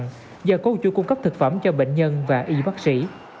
giờ cô chưa cung cấp thực phẩm cho bệnh nhân và y bác sĩ